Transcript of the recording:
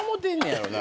やろうな